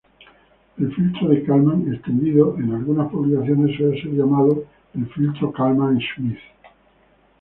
El Filtro de Kalman extendido en algunas publicaciones suele ser llamado el "Filtro Kalman-Schmidt".